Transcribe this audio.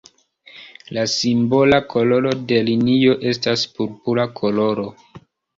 La simbola koloro de linio estas purpura koloro.